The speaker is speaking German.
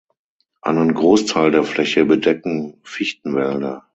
Einen Großteil der Fläche bedecken Fichtenwälder.